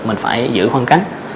mình phải giữ khoảng cách